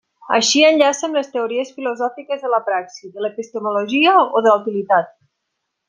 Així enllaça amb les teories filosòfiques de la praxi, de l'epistemologia o de la utilitat.